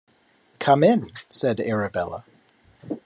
‘Come in,’ said Arabella.